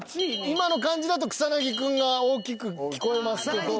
今の感じだと草薙くんが大きく聞こえますけど。